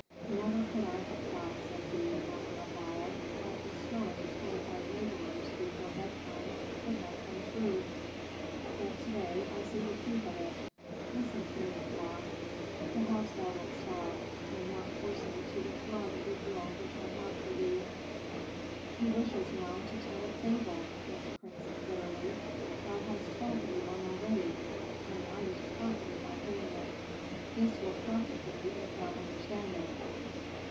"Never could I have thought," said he, after a while, "that the story told by laborers before bedtime could have come true. But to day I see the truth of it. Listen to me, Kama; perhaps thou wilt stop, and not force me to withdraw the good will which I have for thee." "He wishes now to tell a fable!" said the priestess, bitterly. "Thou hast told me one already, and I was profited by hearing it." "This will profit thee if thou understand it."